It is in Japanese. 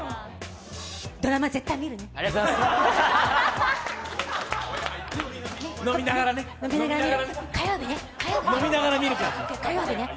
ドラマ絶対見るね！